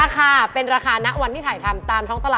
เกี่ยวอะไรล่ะ